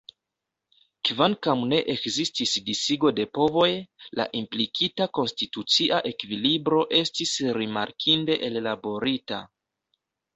Kvankam ne ekzistis disigo de povoj, la implikita konstitucia ekvilibro estis rimarkinde ellaborita.